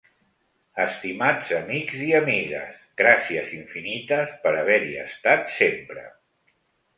Estimats amics i amigues, gràcies infinites per haver-hi estat sempre.